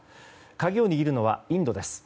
鍵を握るのはインドです。